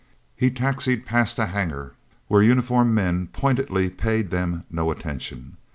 He taxied past a hangar where uniformed men pointedly paid them no attention.